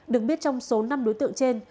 được biết trong số năm đối tượng trên